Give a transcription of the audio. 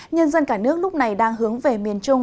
nhân dân cả nước lúc này đang hướng về miền trung